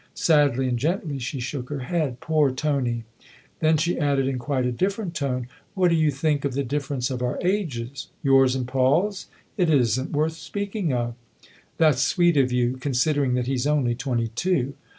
Sadly and gently she shook her head. " Poor Tony !" THE OTHER HOUSE i$5 Then she added in quite a different tone: "What do you think of the difference of our ages ?" "Yours and Paul's ? It isn't worth speaking of!" " That's sweet of you considering that he's only twenty two.